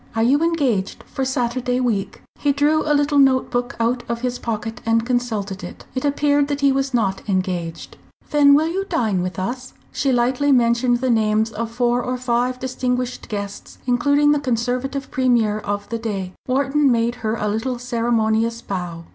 Are you engaged for Saturday week?" He drew a little note book out of his pocket and consulted it. It appeared that he was not engaged. "Then will you dine with us?" She lightly mentioned the names of four or five distinguished guests, including the Conservative Premier of the day. Wharton made her a little ceremonious bow.